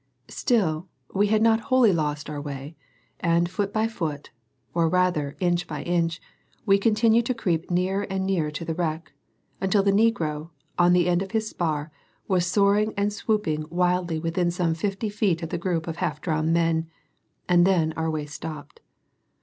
Still, we had not wholly lost our way; and foot by foot or rather, inch by inch we continued to creep nearer and nearer to the wreck, until the negro, on the end of his spar, was soaring and swooping wildly within some fifty feet of the group of half drowned men; and then our way stopped.